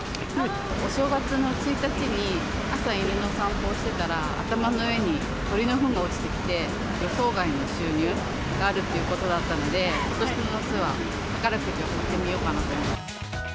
お正月の１日に、朝、犬の散歩をしてたら、頭の上に鳥のふんが落ちてきて、予想外の収入があるということだったので、ことしの夏は、宝くじを買ってみようかなと思って。